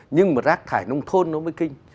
nhưng mà rác thải nông thôn nó mới kinh